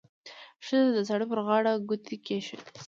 ښځې د سړي پر غاړه ګوتې کېښودې.